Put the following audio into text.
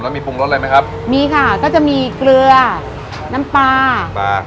แล้วมีปรุงรสอะไรไหมครับมีค่ะก็จะมีเกลือน้ำปลาปลา